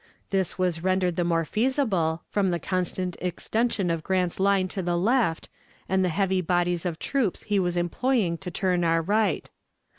This was rendered the more feasible, from the constant extension of Grant's line to the left, and the heavy bodies of troops he was employing to turn our right.